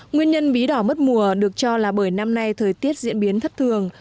nguyên nhân bí đỏ mất mùa được cho là bởi năm nay thời tiết diễn biến thất thường